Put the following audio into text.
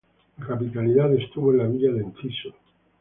La capitalidad estuvo en la villa de Enciso.